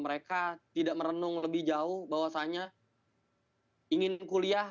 mereka tidak merenung lebih jauh bahwasannya ingin kuliah